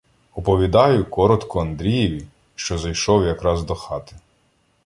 Оповідаю коротко Андрієві, що зайшов якраз до хати.